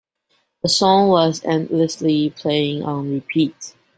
The song was endlessly playing on repeat.